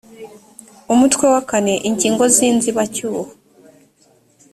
umutwe wa kane ingingo z inzibacyuho